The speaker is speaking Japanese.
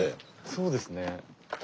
そうですね。